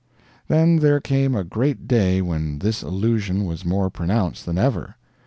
Then there came a great day when this illusion was more pronounced than ever.